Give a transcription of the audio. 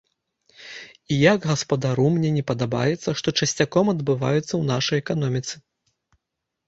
І як гаспадару мне не падабаецца, што часцяком адбываецца ў нашай эканоміцы.